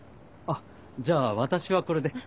あっじゃあ私はこれで。